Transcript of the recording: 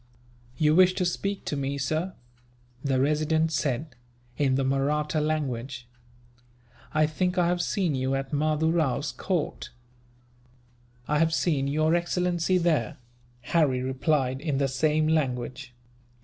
"You wish to speak to me, sir?" the Resident said, in the Mahratta language. "I think I have seen you at Mahdoo Rao's court." "I have seen your excellency there," Harry replied, in the same language.